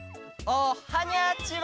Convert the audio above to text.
おはにゃちは！